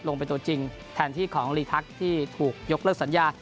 ลงเป็นตัวจริงแทนที่ของลีทักษ์ที่ถูกยกเลิกสัญญา